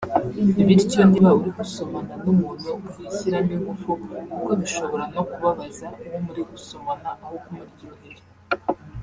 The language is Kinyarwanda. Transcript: Bityo niba uri gusomana n’umuntu w’ibishyiramo ingufu kuko bishobora no kubabaza uwo muri gusomana aho kumuryohera